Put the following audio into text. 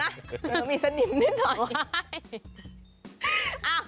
แต่ต้องมีสนิมนิดหน่อย